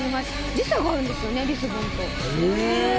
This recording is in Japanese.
時差があるんですよねリスボンと。